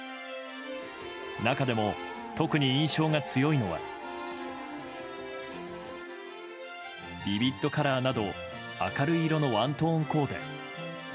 中でも、特に印象が強いのはビビッドカラーなど明るい色のワントーンコーデ。